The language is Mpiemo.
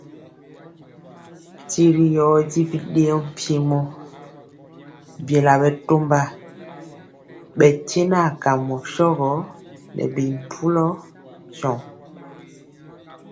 Tiri yɔ di bidɛɛɔ mpiemo biela bɛtɔmba bɛ tyenɛ kamɔ shɔgɔ nɛ bi mpulɔ tyɔŋ.